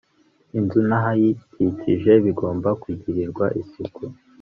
inzu n'ahayikikije bigomba kugirirwa isuku